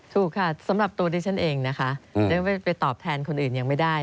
ถูกค่ะสำหรับตัวดิฉันเองนะคะได้ไปตอบแทนคนอื่นยังไม่ได้